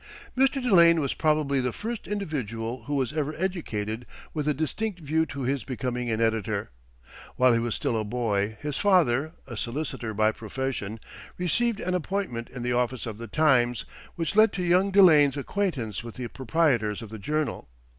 Mr. Delane was probably the first individual who was ever educated with a distinct view to his becoming an editor. While he was still a boy, his father, a solicitor by profession, received an appointment in the office of "The Times," which led to young Delane's acquaintance with the proprietors of the journal.